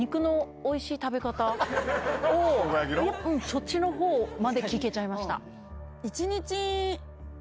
そっちの方まで聞けちゃいました。